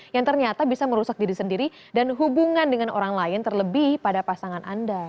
yang ternyata bisa merusak diri sendiri dan hubungan dengan orang lain terlebih pada pasangan anda